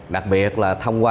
đặc biệt là thông qua